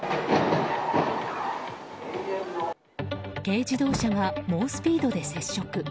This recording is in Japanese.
軽自動車が猛スピードで接触。